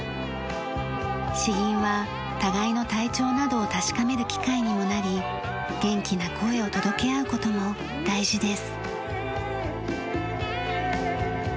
詩吟は互いの体調などを確かめる機会にもなり元気な声を届け合う事も大事です。